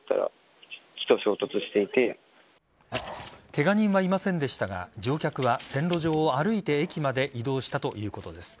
ケガ人はいませんでしたが乗客は線路上を歩いて駅まで移動したということです。